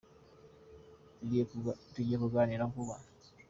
Tugiye kuganira vuba.